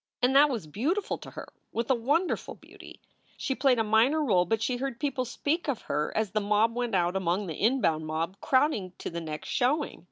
And that was beautiful to her with a wonderful beauty. She played a minor role, but she heard people speak of her as the mob went out among the inbound mob crowding to the next showing.